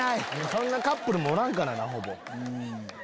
そんなカップルもおらんほぼ。